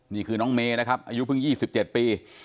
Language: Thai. นี่คือน้องเมย์นะครับอายุเพิ่ง๒๗ปี